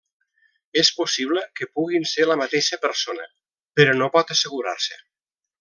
És possible que puguin ser la mateixa persona, però no pot assegurar-se.